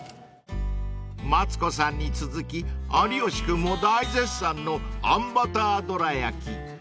［マツコさんに続き有吉君も大絶賛のあんバターどら焼き］